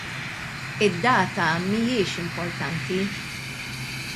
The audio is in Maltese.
Id-data mhijiex importanti.